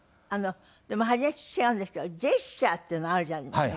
でも話違うんですけどジェスチャーっていうのあるじゃありませんか。